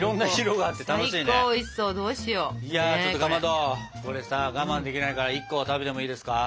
ちょっとかまどこれさ我慢できないから１個は食べてもいいですか？